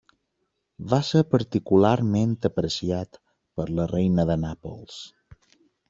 Va ser particularment apreciat per la reina de Nàpols.